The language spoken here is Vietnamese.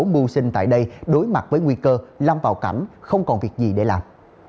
mưu sinh tại đây đối mặt với nguy cơ lâm vào cảnh không còn việc gì để làm